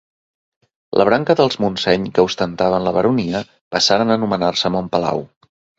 La branca dels Montseny que ostentaven la baronia, passaren a anomenar-se Montpalau.